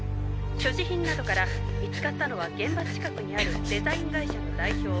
所持品などから見つかったのは現場近くにあるデザイン会社の代表